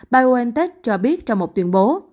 biontech cho biết trong một tuyên bố